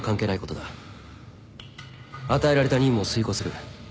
与えられた任務を遂行する。